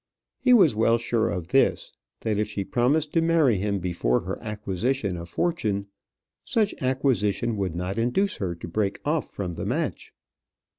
He was well sure of this, that if she promised to marry him before her acquisition of fortune, such acquisition would not induce her to break off from the match.